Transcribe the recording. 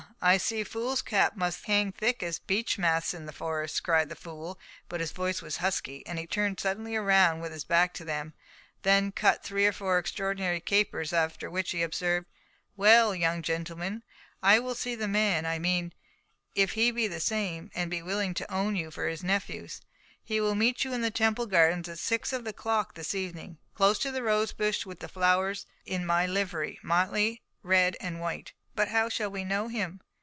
I see fools' caps must hang thick as beech masts in the Forest," cried the fool, but his voice was husky, and he turned suddenly round with his back to them, then cut three or four extraordinary capers, after which he observed—"Well, young gentlemen, I will see the man I mean, and if he be the same, and be willing to own you for his nephews, he will meet you in the Temple Gardens at six of the clock this evening, close to the rose bush with the flowers in my livery—motley red and white." "But how shall we know him?"